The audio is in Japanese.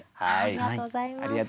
ありがとうございます。